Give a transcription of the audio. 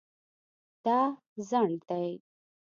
دا ځنډ دی